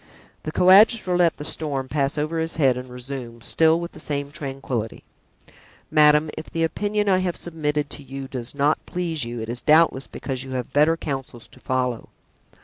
The coadjutor let the storm pass over his head and resumed, still with the same tranquillity: "Madame, if the opinion I have submitted to you does not please you it is doubtless because you have better counsels to follow.